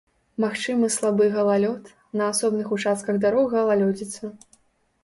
Магчымы слабы галалёд, на асобных участках дарог галалёдзіца.